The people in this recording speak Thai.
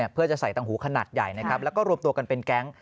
เพื่อจะใส่ตังหูขนาดใหญ่นะครับแล้วก็รวมตัวกันเป็นแก๊ง